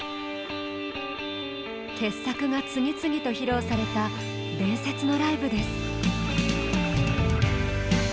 傑作が次々と披露された伝説のライブです。